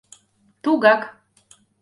— Тугак...